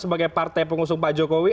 sebagai partai pengusung pak jokowi